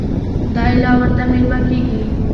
دی لا ورته مېلمه کېږي.